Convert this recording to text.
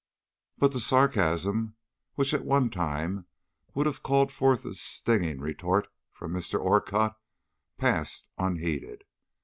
But the sarcasm, which at one time would have called forth a stinging retort from Mr. Orcutt, passed unheeded.